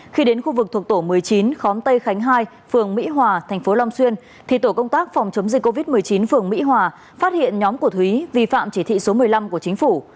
khi đến khu vực thuộc tổ một mươi chín khóm tây khánh hai phường mỹ hòa thành phố long xuyên thì tổ công tác phòng chống dịch covid một mươi chín phường mỹ hòa phát hiện nhóm của thúy vi phạm chỉ thị số một mươi năm của chính phủ